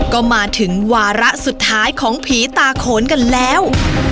ก็มาถึงวาระสุดท้ายของผีตาโขนกันแล้ว